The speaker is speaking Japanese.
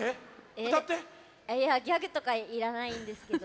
あっいやギャグとかいらないんですけど。